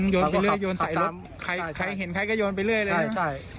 โยนไปเรื่อยใส่รถใครเห็นใครก็โยนไปเรื่อยเลยนะ